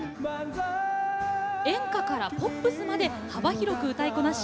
演歌からポップスまで幅広く歌いこなし